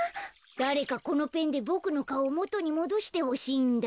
だれかこのペンでボクのかおをもとにもどしてほしいんだ。